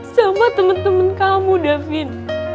sama temen temen kamu davin